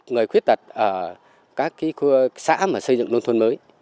người khuyết tật ở các cái xã mà xây dựng nông thôn mới